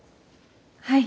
はい。